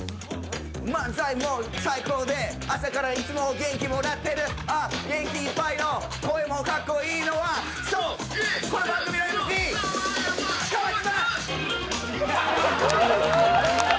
漫才も最高で朝からいつも元気もらってる元気いっぱいの声もかっこいいのはそう、この番組のＭＣ・川島！